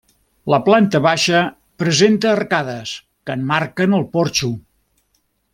La planta baixa presenta arcades que emmarquen el porxo.